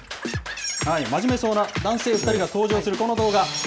真面目そうな男性２人が登場するこの動画。